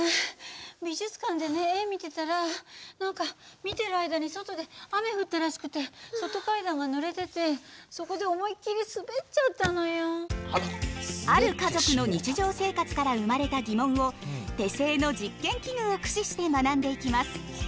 美術館でね絵見てたら何か見てる間に外で雨降ったらしくて外階段がぬれててそこである家族の日常生活から生まれた疑問を手製の実験器具を駆使して学んでいきます。